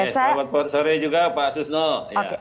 selamat sore juga pak susno